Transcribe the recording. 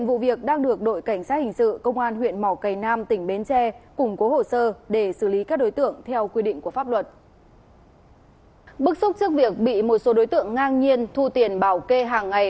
bị một số đối tượng ngang nhiên thu tiền bảo kê hàng ngày